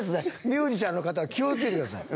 ミュージシャンの方は気をつけてください。